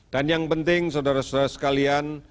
dan yang penting saudara saudara sekalian